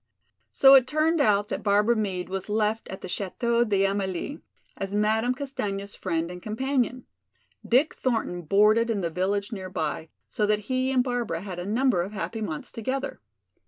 So it turned out that Barbara Meade was left at the Chateau d'Amélie, as Madame Castaigne's friend and companion. Dick Thornton boarded in the village near by, so that he and Barbara had a number of happy months together.